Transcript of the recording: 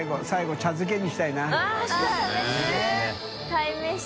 鯛めし